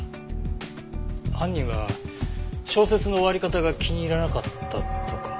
犯人は小説の終わり方が気に入らなかったとか。